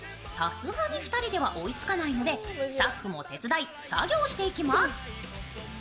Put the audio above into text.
さすがに２人では追いつかないのでスタッフも手伝い、作業していきます。